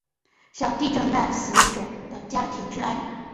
向地震男死者的家庭致哀。